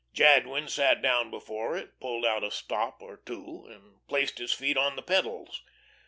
Jadwin sat down before it, pulled out a stop or two, and placed his feet on the pedals.